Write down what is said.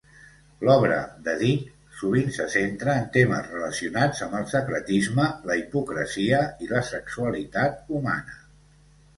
L'obra de Dick sovint se centra en temes relacionats amb el secretisme, la hipocresia i la sexualitat humana.